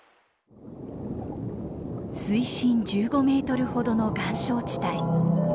水深１５メートルほどの岩礁地帯。